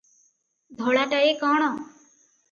ଧଳାଟାଏ କଣ?